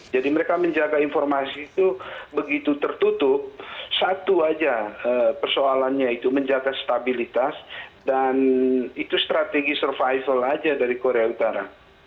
jadi mereka menjaga informasi itu begitu tertutup satu aja persoalannya itu menjaga stabilitas dan itu strategi survival aja dari korea utara